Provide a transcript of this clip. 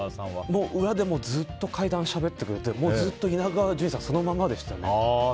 もう裏でもずっと怪談をしゃべってくれてずっと稲川淳二さんそのままでしたね。